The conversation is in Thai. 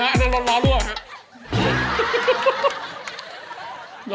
อันนี้ร้อนด้วย